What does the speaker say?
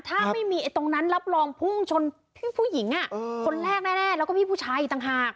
ถ้าไม่มีตรงนั้นรับรองพุ่งชนพี่ผู้หญิงคนแรกแน่แล้วก็พี่ผู้ชายอีกต่างหาก